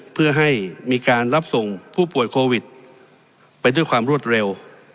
เพื่อให้มีการรับส่งผู้ป่วยโควิดไปด้วยความรวดเร็ว